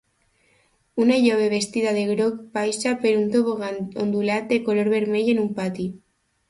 Una jove vestida de groc baixa per un tobogan ondulat de color vermell en un pati.